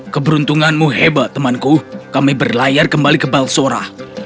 keberuntunganmu hebat temanku kami berlayar kembali ke balsora